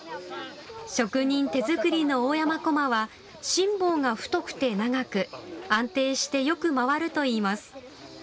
職人手作りの大山こまは心棒が太くて長く安定してよく回るといいます。